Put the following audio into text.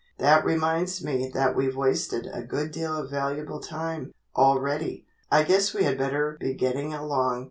That reminds me that we've wasted a good deal of valuable time, already. I guess we had better be getting along."